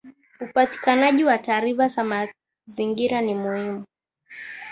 Upatikanaji wa taarifa za mazingira ni muhimu